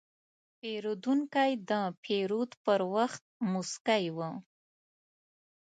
پیرودونکی د پیرود پر وخت موسکی و.